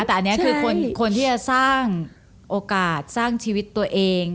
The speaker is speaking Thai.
แต่อันนี้คือคนที่จะสร้างโอกาสสร้างชีวิตตัวเอง